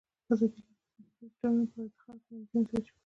ازادي راډیو د سوداګریز تړونونه په اړه د خلکو وړاندیزونه ترتیب کړي.